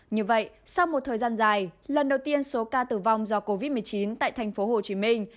như vậy sau một thời gian dài lần đầu tiên số ca tử vong do covid một mươi chín tại thành phố hồ chí minh